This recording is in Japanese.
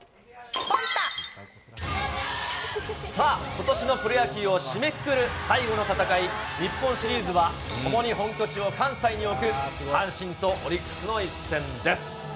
さあ、ことしのプロ野球を締めくくる最後の戦い、日本シリーズはともに本拠地を関西に置く、阪神とオリックスの一戦です。